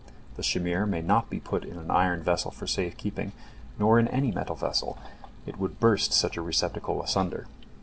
The shamir may not be put in an iron vessel for safe keeping, nor in any metal vessel, it would burst such a receptacle asunder.